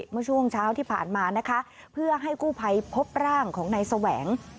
เมื่อช่วงเช้าที่ผ่านมานะคะเพื่อให้กู้ภัยพบร่างของนายแสวง